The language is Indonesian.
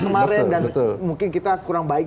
kemarin dan mungkin kita kurang baik